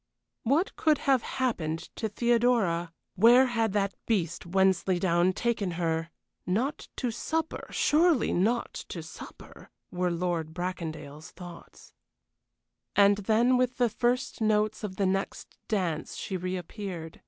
What could have happened to Theodora? Where had that beast Wensleydown taken her? Not to supper surely not to supper? were Lord Bracondale's thoughts. And then with the first notes of the next dance she reappeared.